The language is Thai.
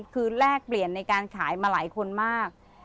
คือแลกเปลี่ยนในการขายมาหลายคนมาก